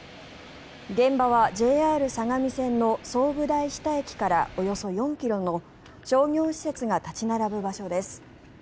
現場はＪＲ相模線の相武台下駅からおよそ４ｋｍの商業施設が立ち並ぶ場所です。